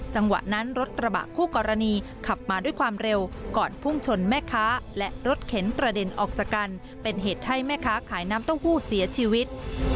จังหวะนั้นรถกระบะคู่กรณีขับมาด้วยความเร็วก่อนพุ่งชนแม่ค้าและรถเข็นกระเด็นออกจากกันเป็นเหตุให้แม่ค้าขายน้ำเต้าหู้เสียชีวิต